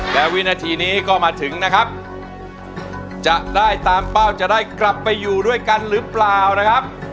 และวินาทีนี้ก็มาถึงนะครับจะได้ตามเป้าจะได้กลับไปอยู่ด้วยกันหรือเปล่านะครับ